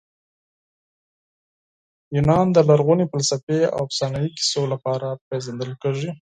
یونان د لرغوني فلسفې او افسانوي کیسو لپاره پېژندل کیږي.